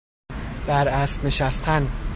بر اسب نشستن